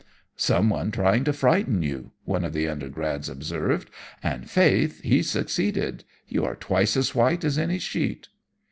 "'Someone trying to frighten you,' one of the undergrads observed, 'and faith, he succeeded. You are twice as white as any sheet.'